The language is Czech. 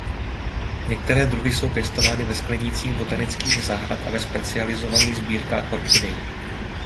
Některé druhy jsou pěstovány ve sklenících botanických zahrad a ve specializovaných sbírkách orchidejí.